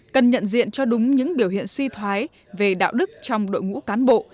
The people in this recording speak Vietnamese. cần nhận diện cho đúng những biểu hiện suy thoái về đạo đức trong đội ngũ cán bộ